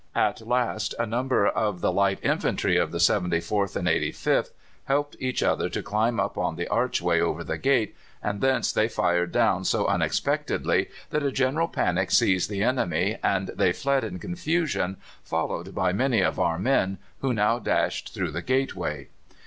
At last a number of the light infantry of the 74th and 85th helped each other to climb up on the archway over the gate, and thence they fired down so unexpectedly that a general panic seized the enemy, and they fled in confusion, followed by many of our men, who now dashed through the gateway.